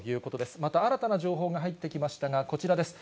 また新たな情報が入ってきましたが、こちらです。